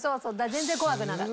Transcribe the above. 全然怖くなかった。